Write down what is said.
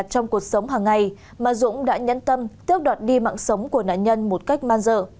là trong cuộc sống hằng ngày mà dũng đã nhấn tâm tiếp đoạt đi mạng sống của nạn nhân một cách man dơ